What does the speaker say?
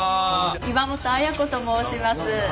岩本綾子と申します。